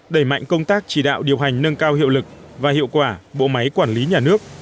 đẩy mạnh công tác chỉ đạo điều hành nâng cao hiệu lực và hiệu quả bộ máy quản lý nhà nước